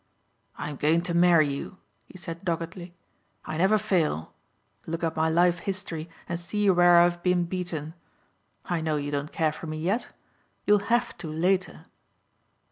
"I'm going to marry you," he said doggedly. "I never fail. Look at my life history and see where I have been beaten. I know you don't care for me yet. You'll have to later."